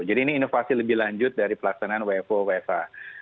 jadi ini inovasi lebih lanjut dari pelaksanaan wfo wfa